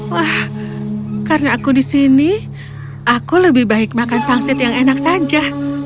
wah karena aku di sini aku lebih baik makan pangsit yang enak saja